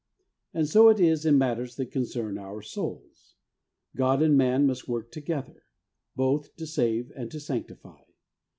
And so it is in matters that concern our i6 THE WAY OF HOLINESS souls. God and man must work together, both to save and to sanctify.